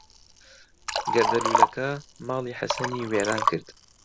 گەردەلوولەکە ماڵی حەسەنی وێران کرد.